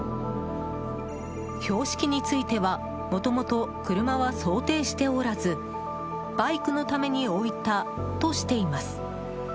標識についてはもともと、車は想定しておらずバイクのために置いたとしています。